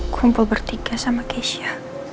kumpul bertiga sama keisha